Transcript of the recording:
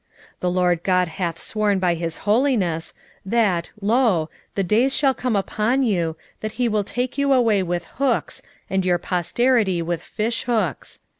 4:2 The Lord GOD hath sworn by his holiness, that, lo, the days shall come upon you, that he will take you away with hooks, and your posterity with fishhooks.